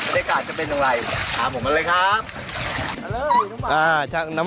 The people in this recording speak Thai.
บรรดิกาจะเป็นอะไร